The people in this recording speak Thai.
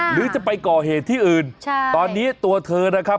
หรือจะไปก่อเหตุที่อื่นใช่ตอนนี้ตัวเธอนะครับ